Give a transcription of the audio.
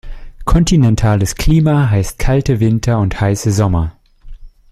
Kontinentales Klima heißt kalte Winter und heiße Sommer.